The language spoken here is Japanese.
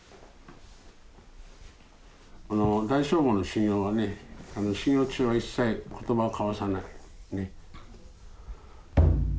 この大聖坊の修行はね修行中は一切言葉を交わさないねっ。